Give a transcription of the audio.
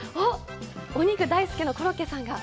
お肉大好きのコロッケさんが。